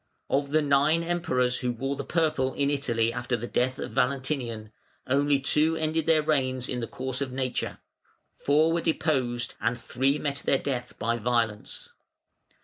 Of the nine Emperors who wore the purple in Italy after the death of Valentinian, only two ended their reigns in the course of nature, four were deposed, and three met their death by violence.